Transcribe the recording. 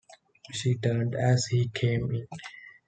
She turned as he came in.